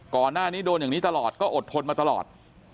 ก่อนหน้านี้โดนอย่างนี้ตลอดก็อดทนมาตลอด